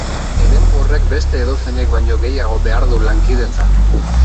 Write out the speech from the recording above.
Eremu horrek beste edozeinek baino gehiago behar du lankidetza.